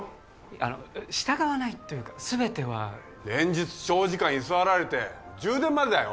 あの従わないというか全ては連日長時間居座られて充電までだよ